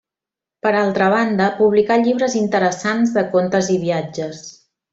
Per altra banda, publicà llibres interessants de contes i viatges.